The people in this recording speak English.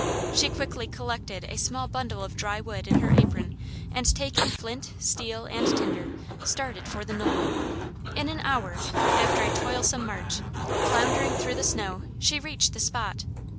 She quickly collected a small bundle of dry wood in her apron and taking flint, steel, and tinder, started for the knoll. In an hour, after a toilsome march, floundering through the snow, she reached the spot.